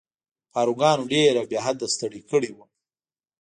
پاروګانو ډېر او بې حده ستړی کړی وم.